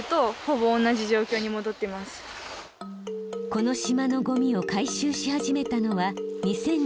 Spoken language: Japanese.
この島のゴミを回収し始めたのは２０１５年。